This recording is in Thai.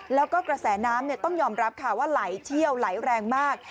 แล้วก็กระแสน้ำต้องยอมรับค่ะว่าไหลเชี่ยวไหลแรงมาก